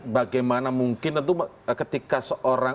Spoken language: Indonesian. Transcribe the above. bagaimana mungkin ketika seorang